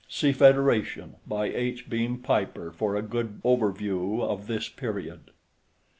(See Federation by H. Beam Piper for a good overview of this period.)